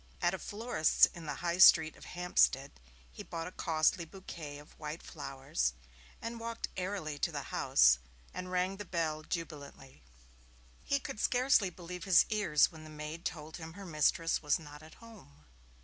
At a florist's in the High Street of Hampstead he bought a costly bouquet of white flowers, and walked airily to the house and rang the bell jubilantly. He could scarcely believe his ears when the maid told him her mistress was not at home.